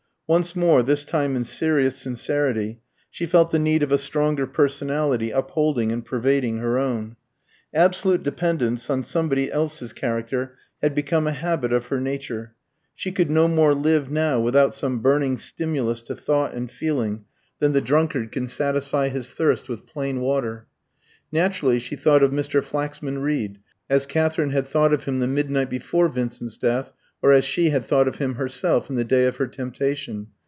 Once more, this time in serious sincerity, she felt the need of a stronger personality upholding and pervading her own. Absolute dependence on somebody else's character had become a habit of her nature: she could no more live now without some burning stimulus to thought and feeling than the drunkard can satisfy his thirst with plain water. Naturally she thought of Mr. Flaxman Reed, as Katherine had thought of him the midnight before Vincent's death, or as she had thought of him herself in the day of her temptation.